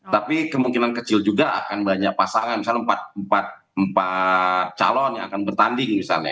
tapi kemungkinan kecil juga akan banyak pasangan misalnya empat calon yang akan bertanding misalnya